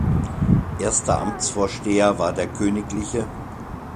Erster Amtsvorsteher war der Kgl.